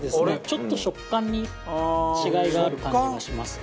ちょっと食感に違いがある感じがします。